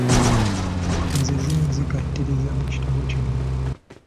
Nzize nkikkaatiriza mu kitabo kino.